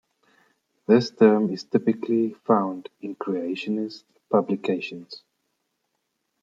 This term is typically found in creationist publications.